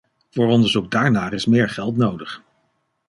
Voor onderzoek daarnaar is meer geld nodig.